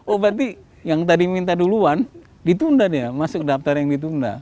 oh berarti yang tadi minta duluan ditunda dia masuk daftar yang ditunda